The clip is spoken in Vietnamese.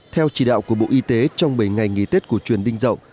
theo chỉ đạo của bộ y tế trong bảy ngày nghỉ tết cổ truyền đinh rộng